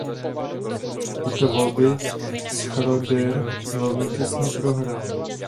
Tyto volby Schröder velmi těsně prohrál.